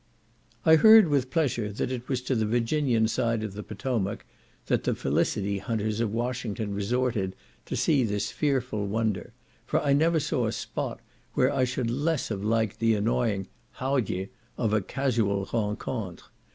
I heard with pleasure that it was to the Virginian side of the Potomac that the "felicity hunters" of Washington resorted to see this fearful wonder, for I never saw a spot where I should less have liked the annoying "how d'ye," of a casual rencontre.